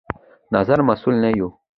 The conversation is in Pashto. نظر مسوول نه يو